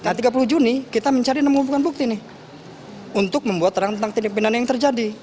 nah tiga puluh juni kita mencari enam umpukan bukti nih untuk membuat terang tentang tindakan yang terjadi